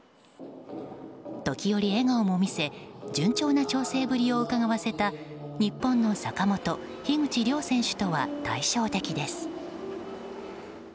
時折、笑顔も見せ順調な調整ぶりをうかがわせた日本の坂本、樋口両選手とは対照的です。